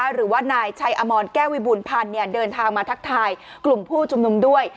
หรือว่านายชัยอมรแก้ววิบูรณพันธ์เดินทางมาทักทายกลุ่มผู้ชุมนุมด้วย